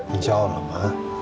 insya allah ma